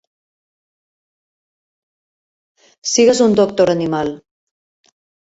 Sigues un doctor-animal.